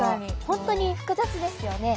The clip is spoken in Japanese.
ほんとに複雑ですよね。